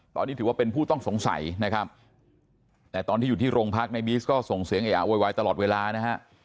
ตอนนี้ถือว่าเป็นผู้ต้องสงสัยนะครับแต่ตอนที่อยู่ที่โรงพักในบีสก็ส่งเสียงเออะโวยวายตลอดเวลานะฮะ